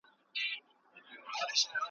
هر یوه ته خپل قسمت وي رسېدلی ,